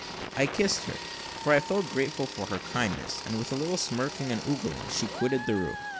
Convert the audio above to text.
I kissed her, for I felt grateful for her kindness; and with a little smirking and ogling she quitted the room.